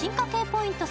ポイント